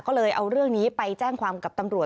ก็เลยเอาเรื่องนี้ไปแจ้งความกับตำรวจ